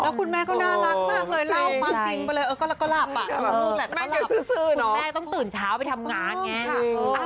คุณแม่ต้องตื่นเช้าไปทำงานไง